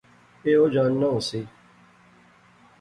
ایہہ او جاننا ہوسی